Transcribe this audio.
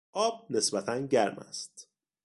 آب نسبتا گرم است.